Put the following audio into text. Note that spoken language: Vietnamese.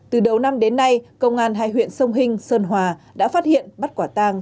từ đầu năm đến nay công an hai huyện sông hình sơn hòa đã phát hiện bắt quả tàng